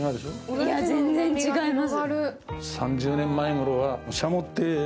いや、全然違います。